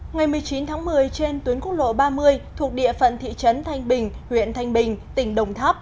ngày một mươi chín tháng một mươi trên tuyến quốc lộ ba mươi thuộc địa phận thị trấn thanh bình huyện thanh bình tỉnh đồng tháp